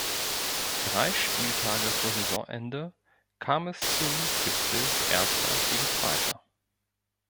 Drei Spieltage vor Saisonende kam es zum Gipfel Erster gegen Zweiter.